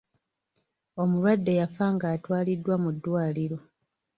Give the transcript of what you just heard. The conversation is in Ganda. Omulwadde yafa nga atwaliddwa mu ddwaliro.